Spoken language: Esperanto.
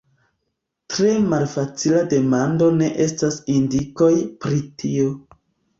Tre malfacila demando ne estas indikoj pri tio.